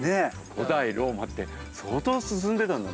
古代ローマって相当進んでたんだね。